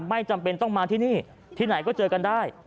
ไม่จำเป็นต้องมาที่นี่ที่ไหนก็เจอกันได้